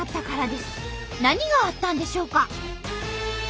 何があったんでしょうか？